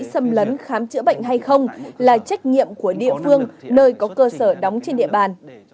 xâm lấn khám chữa bệnh hay không là trách nhiệm của địa phương nơi có cơ sở đóng trên địa bàn